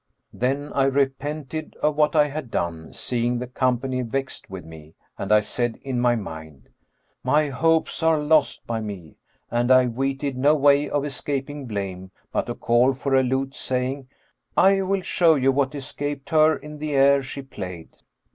Then I repented of what I had done, seeing the company vexed with me, and I said in my mind, 'My hopes are lost by me'; and I weeted no way of escaping blame but to call for a lute, saying, 'I will show you what escaped her in the air she played.'